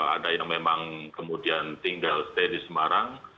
ada yang memang kemudian tinggal stay di semarang